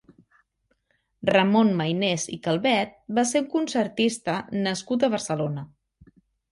Ramon Maynès i Calvet va ser un concertista nascut a Barcelona.